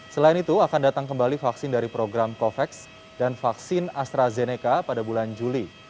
selain itu akan datang kembali vaksin dari program covax dan vaksin astrazeneca pada bulan juli